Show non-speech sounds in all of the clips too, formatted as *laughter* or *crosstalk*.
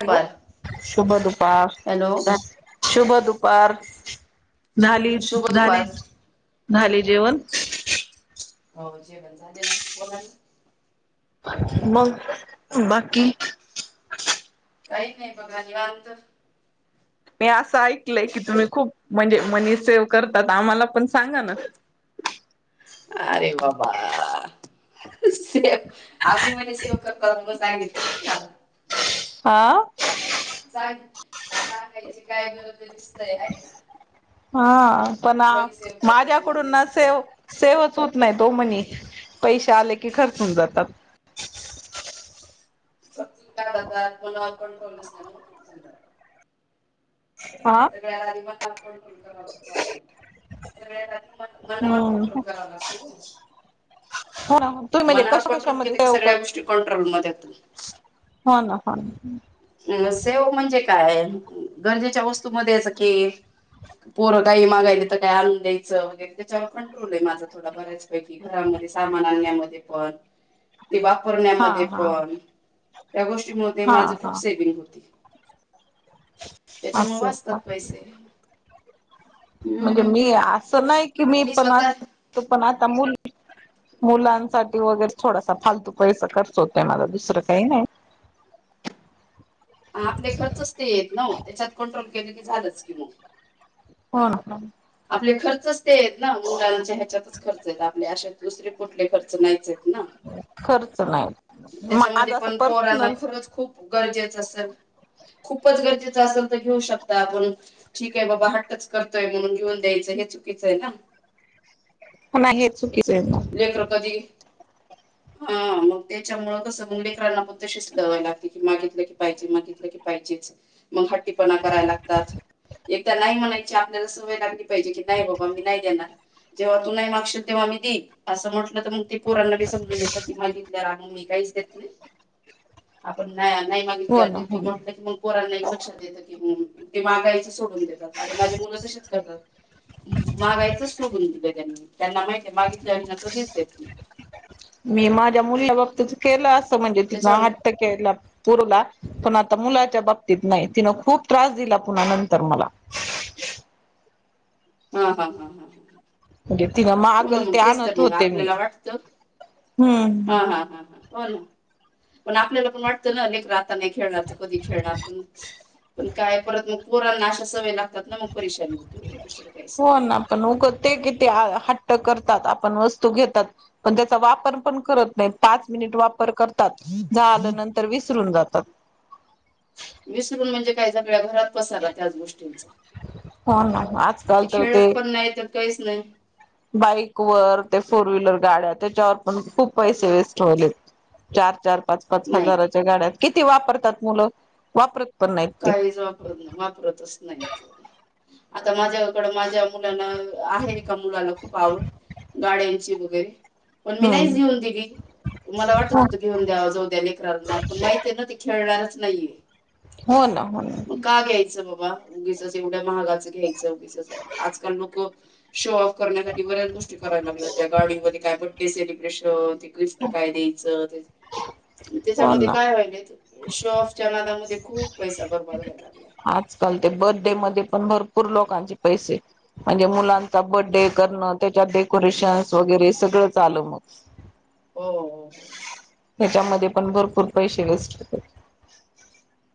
Hello! दुपार शुभ दुपार हॅलो शुभ पार झाला, शुभ दुपार झाली. झाले जेवण. हो जेवण झाले, ना बोलाना. मंग बाकी *unintelligible* काहीच नाही, बघा निवांत. मी असं ऐकलंय की? तुम्ही खूप म्हणजे, मनी सेव्ह करतात. आम्हाला पण सांगा ना? *unintelligible* अरे बाबा! सेव आम्ही म्हणे सेव करतो. सांगितल का तुम्हाला? आ सांग सांगायची काय? गरज हाय दिसतय आहे, ना. हा पण आ मनी सेव्ह करतात म्हणून माझ्याकडून दिसतय सेव सेवच होत, नाही. तो म्हणे पैसे आले की खर्चून जातात. काय जातात? *unintelligible* हा *unintelligible* करावा लागतो आपल्याला सगळ्यात आधी मन- *unintelligible* मनावर हम्म! कंट्रोल करावा लागतो ह. हो, ना तुम म्हणजे मनावर कशा कंट्रोल कशामध्ये केलं की सेव सगळ्या करता? गोष्टी कंट्रोलमध्ये येतात हो ना, हो ना. अ सेव म्हणजे काय? गरजेच्या वस्तूमध्ये असं, की पोरं काही मागायले, तर काय आनून द्यायचं? वगैरे, त्याच्यावर कंट्रोल आहे माझा. थोडा बऱ्याच घरामध्ये सामान आणण्यामध्ये पण ते हा वापरण्यामध्ये हा पण या गोष्टी मुळे हा माझी खूप हा सेविंग होती. त्याच्या मुळे वाचतात. असं पैसे म्हणजे हम्म मी असं नाही, की मी तो पण आता मुलं मुलांसाठी वगैर थोडासा फालतू पैसा खर्च होतोय, माझा दुसरं काही नाही. *inaudible* ह आपले खर्चच ते येत नव त्याच्यात कंट्रोल केलं, की झालंच कि म हो, ना. आपले खर्चच ते आहेत. ना मुलांच्या ह्याच्यातच खर्च आहेत. आपले असे दुसरे कुठले खर्च नाहीचं आहेत? खर्च नाही माझं त्याच्यामध्ये असं पण पोरांना पर्सनल खरचं खूप गरजेच असलं खूपच गरजेचं असेल तर घेऊ शकता, आपण ठीक आहे बाबा हट्टच करतोय म्हणून? घेऊन द्यायचं हे चुकीचं आहे ना? *unintelligible* ना लेकरं कधी? *inaudible* हा मग त्याच्यामुळ कसं म लेकरांना पण तशीच सवय लागते, की मागितलं की पाहिजे, मागितलं की पाहिजे. मग हट्टीपणा करायला लागतात. एकदा नाही म्हणायची आपल्याला सवय लागली पाहिजे, की नाही बाबा मी नाही देणार. जेव्हा तू नाही मागशील तेव्हा मी असं म्हंटलं? तर मग ते पोरांना बी समजून येत की, मागितल्या रा मग काहीच देत नाही, आपण नाही नाही हो ना मागितली. हो ना. *unintelligible* पोरांना बी लक्षात येत. ते माहागाईच सोडून देतात. आता माझी मुलं तशीच करतात. मागायचं सोडून दिलं, त्यांना माहितीय मागितल्या वर ह्यांना कधीच देत नाही. मी माझ्या मुलीच्या बाबतीत केलं असतं, म्हणजे तिचा त्याच्या हट्ट केला. पूरला पण मुलाच्या बाबतीत नाही, तिन खूप त्रास दिला पुन्हा नंतर मला हा हा हा ह म्हणजे तिनं हो, मागल ना ते मग तेच तर आणत मग होते मी आपल्याला वाटतं. हम्म. हा हा हा हा हो, ना पण आपल्याला पण वाटतं ना लेकरं आप नाही खेळणार त कधी खेळणार, पण काय परत म पोरांना अशा सवय लागतात. ना मग पैशांनी. हो ना आपण क ते किती ह हट्ट त करतात. आपण वस्तू घेतात. पण त्याचा वापर पण करत नाही पाच मिनिट वापर र करतात झाल. नंतर विसरून जातात. विसरून म्हणजे काय सगल्या घरात पसारा त्याच गोष्टींचा हो ना आजकाल ते तर खेळत पण नाही त काहीच नाही. बाईक वर ते फोर व्हीलर गाड्या त्याच्यावर पण खूप पैसे वेस्ट व्हावेत. चार चार पाच पाच नाही हजाराच्या गाड्यात किती वापरतात मुलं. वापरत पण नाहीत ते काहीच वापरत नाही वापरतच नाहीत. आता माझ्याकडं माझ्या मुलांना आहे एका मुलाला खूप आवड. गाड्यांची वगैरे पण मी नाहीच घेऊन हम्म दिली. मला वाटत होतं घेऊन द्यावा. जाऊ द्या लेकराणा पण माहिती आहे ना ती खेळणारच नाहीये. हो ना हो ना मग का घ्यायचं बाबा. उगीचच एवढ्या महागाचं घ्यायचं उगीच आजकाल लोक शोऑफ करण्यासाठी बऱ्याच गोष्टी करायला लागल्या त्या गाडीमध्ये काय बर्डे सेलिब्रेशन ते गिफ्ट काय द्यायच. हो त्याच्यामध्ये ना काय व्हाल शोऑफच्या नादाम खूप पैसा बरबाद होयला. आजकाल ते बर्डे मध्ये पण भरपूर लोकांचे पैसे म्हणजे मुलांचा बर्डे करण त्याच्यात डेकोरेशन वगैरे सगळंच आल मग. हो हो हो. हच्यामध्ये पण भरपूर पैसे वेस्ट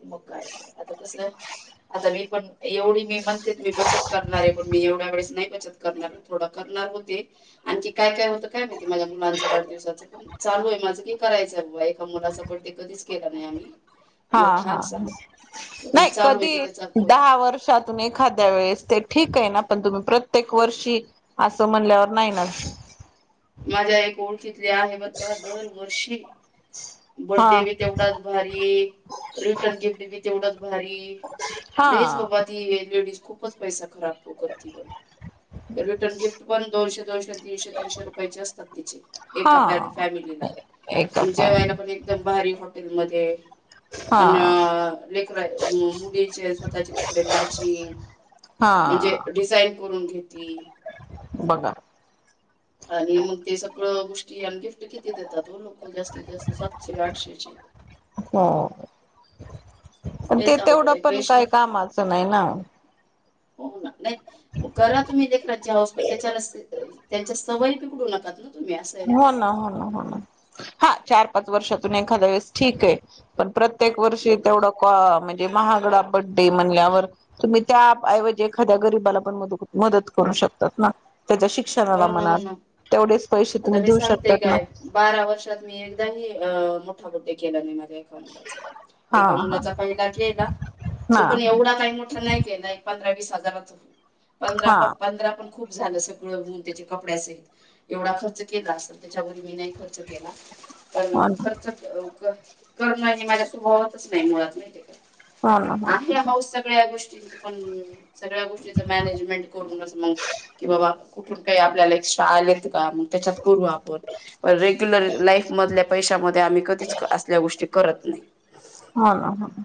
मग काय तर आता कसं आता मी पण एवढी मी म्हणते मी बचत करणारे पण मी एवढ्या वेळेस नाही बचत करणार. थोडं करनार होते. आणखी काय काय होत काय माहिती माझ्या मुलांच्या वाढदिवसाच पण चालू आहे माझं की करायचं. एका मुलाचा बडे कधीच केला नाही आम्ही हा मोठा हा. असा तर मग नाही चालू आहे कधी की त्याचा करू दहा वर्षातून एखाद्या वेळेस ते ठीके ना. पण तुम्ही प्रत्येक वर्षी असं म्हणल्यावर नाही ना. माझ्या एक ओळखीतले आहे बका. दरवर्षी हा बडे बी तेवढाच भारी. रिटन गिफ्ट बी तेवढाच भारी. हा लईज बाबा ती लेडीज खूपच पैसा खराब करती पण, रिटर्न गिफ्ट पण दोनशे दोनशे, तीनशे तीनशे रूपये चे असतात तीचे. एका हा फॅमिलीला एका अन जेवला फॅमिली पण एकदम भारी हॉटेल मध्ये. अ हा लेकरा मुलीचे स्वतः चे कपडे मॅचिंग. म्हणजे हा डिझाईन करून घेत. बघा. आणि मग ते सगळं गोष्टी आणि गिफ्ट किती देतात, हो लोक जास्तीत जास्त सातशे, आठशेचे. हो. पण ते लयच अवघड तेवढं आहे पण पैसे काही कामाचं नाही ना. हो ना. नाही करा तुम्ही लेकराची हाऊस पण त्याच्यान त्यांच्या सवय बिघडू नकात ना. तुम्ही असं आहे हो ना, हो ना, हो ना. हा चार पाच वर्षातून एखाद्या वेळेस ठीके. पण प्रत्येक वर्षी बरोबर तेवढं म्ह महागडा बडे म्हणल्यावर तुम्ही त्याऐवजी एखाद्या गरीबाला पण मदत करू शक शकतात ना. त्याच्या शिक्षणाला हो ना म्हना. हो ना तेवढेच पैसे तुम्ही मी देऊ सांगतेय शकतात ना काय? बारा वर्षात मी एकदाही अ मोठा बडे केला नाही. एका मुलाचा. एका हा मुलाचा पहिला केला. तो हा पण एवढा काही मोठा नाही केला. वीस हजाराच पंधरा हा पण पंधरा पण खूप झाला असेल. होन त्याचे कपड्यासहीत. एवढा खर्च केला असल, त्याच्यावर मी नाही खर्च केला. हा कारण हो ना खर्च करण आणि माझ्या स्वभावातच नाही मुळात. माहिते का?. हो ना हो आहे पाहू या सगळ्या या गोष्टी ण सगळ्या गोष्टींच मॅनेजमेंट करून मग, कि बाबा कुठून काही आपल्याला एक्स्ट्रा आले त्याच्यातू आपण रेग्युलर लाईफ मधल्या पैशामध्ये आम्ही कधीच असल्या गोष्टी. करत नाही. हो ना हो ना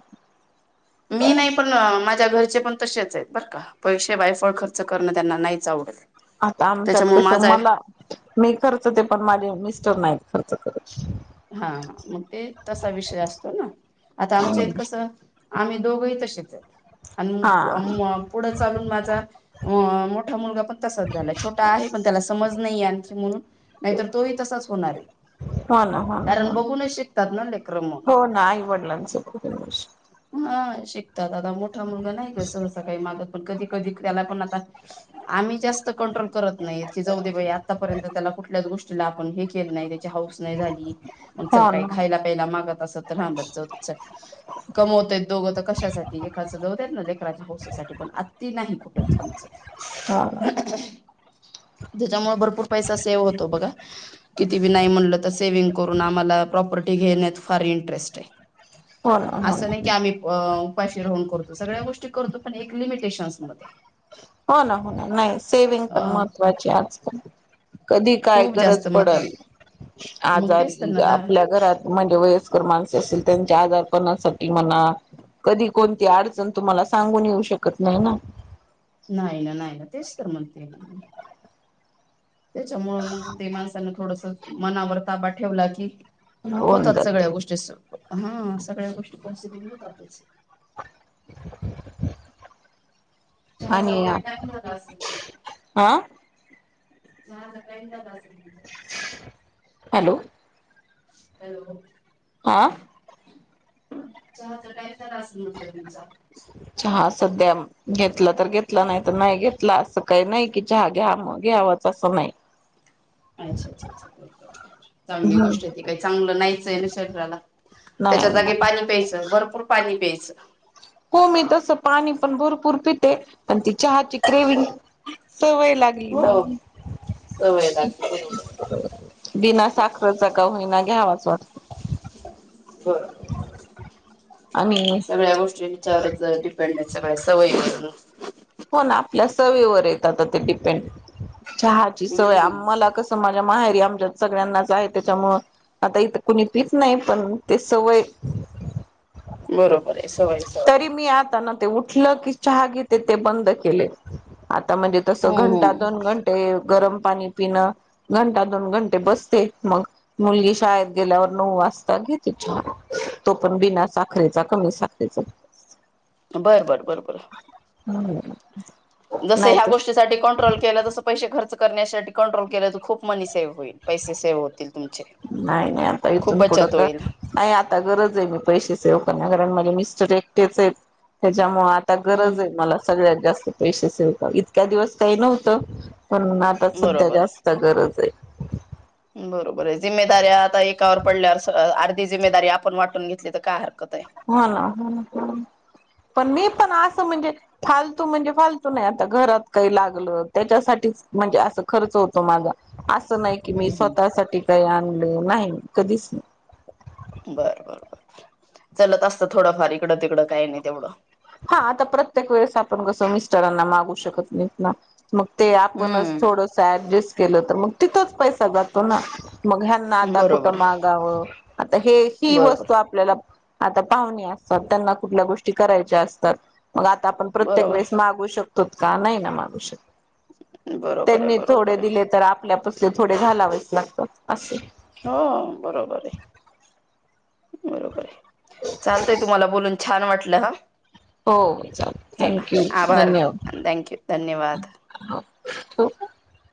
मी नाही पण माझ्या घरचे पण तसेच आहेत बरं का पैसे बायफळ खर्च करणं त्यांना नाहीच आवडत. आता आमच्यात त्याच्यामुळे कसं माझा मला मी खर्च ते पण, माझे मिस्टर नाही खर्च करत हा ह मग ते तसा विषय असतो ना आता आमच्या इ कसं आम्ही दोघंही तसेच आणि हा पुढं चालून माझा मोठा मुलगा पण तसाच झाला. छोटा आहे त्याला समज नाही आणखी म्हणून, नाहीतर तोही तसाच होणार आहे. हो ना हो ना कारण हो ना बघूनच शिकतात ना लेकर म हो ना आई वडिलांच ह हा शिकतात आता मोठा मुलगा नाही ग सहसा काही मागत. ण कधी कधी त्याला पण आता आम्ही जास्त कंट्रोल करत नाही की जाऊ दे बाई आतापर्यंत त्याला कुठल्याच गोष्टीला आपण हे केलं नाही त्याची हौऊस नाही झाली मग हो चल काही ना खायला प्यायला मागत असत तर हा बाई जाऊदे चल कमवतेत दोघं तर कशासाठी एकाचं दतेत ना एराच्या हौससाठी पण आत्ती नाही कुठंच आमचं ह त्याच्यामुळे भरपूर पै सेव्ह होतो ब किती नाही म्हणल तर सेंग करून आम्हा प्रॉपर्टी घेण्यात फार इंटरेस्ट आहे. हो ना हो असं नाही की ना आम्ही उपाशी राहून करतो, सगळ्या गोष्टी करतो पण एक लिमिटेशन्स मध्ये हो ना हो ना नाही सेविंग अ पण महत्त्वाची आजकाल कधी काय खूप गरज जास्त पडेल महत्वाचे मग तेच तर आजारी ना दा आपल्या घरात म्हणजे वयस्कर माणस असतील त्यां आजारपणासाठी म्हणा कधी कोणती अडचण तुम्हाला सांगून येऊ शकत नाही ना नाही ना नाही ना तेच तर म्हणते म मी. त्याच्यामुं मग ते माणसानं थोडस मनावर ताबा ठेवला की होऊन होतात जात सगळ्या गोष्टी हा सगळ्या गोष्टी पॉसिबल होतातच. *inaudible* आणि *unintelligible* हा झाला *unintelligible* हॅलो हॅलो आा चहाचा काय त्रास म्हटलं तुमचा घेतलं तर घेतला नाही तर नाही घेतला असं काही नाही कि चहा घ्या मग घ्यावाच असं नाही. ह अच्छा अच्छा अच्छा बरो चांगली हम्म गोष्ट आहे त काही चांगलं नाहीचंय ना शरीराला नाही त्याच्या जागे नाही पाणी प्यायचं भरपूर पाणी प्यायचं हो मी तस पाणी पण भरपूर पित पण ती चहाची क्रेवि सवय लागली ना हो सवय लागते बरोबर आहे. बिना साखरचा का होईना घ्यावाच वाटत ब आणि सगळ्या गोष्टी विच्यावरच डिपेंड आहे सगळ्या सवयी करून हो ना आपल्या सयवर येतात ते डिपेंड चहाची सवय आ हम्म मला कसं मा,, माहेरी आमच्या सगळ्यांनाच आहे त्याच्यामु आता इथं कुणी पीच नाही पण ते सवय बरोबर आहे सवय सवय. तरी मी आता ना ते उठलं की चहागी ते ते बंद केले. आता म्हणजे तसं हम्म घंटा दोन हम्म घंटे गरम पाणी पिणं घंटा दोन घंटे बसते मग मुलगी शाळेत गेल्यावर नऊ घ तो पण बना साखरेचा कमी साखरेचा बर बर बरोबर हम् जस ह्या गोष्टीसाठी कंट्रोल के जस पैसे खर्च करण्यासाठी कंट्रोल केलं तर खूप मनी सेव्ह होईल पैसे सेव्ह होतील तुमचे नाही नाही आता खूप इथून पुथडं बचत का होईल नाही आता गरज आहे मी पैसे सेव करण्यात मिस्टर एकटेच आहे त्यांच्यामुळे आता हम्म गरज आहे मला सगळ्यात जास्त पैसेच हो इतक्या दिवस काही नव्हतं पण आता सध्या बरोबर. जास्त गरज आहे बरोबर आहे जिम्मेदारी आता एकावर पडल्यावर अर्धी जिमेदारी आपण वाटून घेतली तर काय हरकत आहे. हो ना ह पण मी पण असं म्हणजे फालतू म्हणजे फालतू नाही आता घरात काही लागलं त्यांच्यासाठीच म्हणजे अस खर्च होतो माझा असे अस नाही की मी हम्म हम्म. स्वतःसाठी काही आणले नाही कधीच नाही बर बर बरर चलत असत थोडंफार इकडं तिकडं काही नाही तेवढं हा आता प्रत्येक वेळेस आपण कसं मिस्टरांना मागू शकत नाहीत ना मग ते आपणच हम्म थोडस ऍडजस्ट केलं तर मग तिथोच पैसा जातो ना मग ह्यांना आता कुठे बरोबर मागव आता हे ही बरोबर वस्तू आपल्याला आता पाहुणे असतात त्यांना कुठल्या गोष्टी करायच्या असतात मग आता आपण प्रत्येक बरोबर. वेळेस मागू शकतो का नाही ना मागू शकत बरोबर आहे त्यांनी थोडे बरोबर आहे दिले तर आपल्यातून थोडे घालावेच लागत असे हा बरोबर आहे बरोबर आहे चालतय तुम्हाला बोलून छान वाटलं हा हो चालेल चला थँक्यू आभार धन्यवाद थँक यू धन्यवाद ठेवू हो